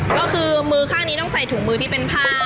ก็คือมือข้างนี้ต้องใส่ถุงมือที่เป็นผ้าใช่ไหมครับ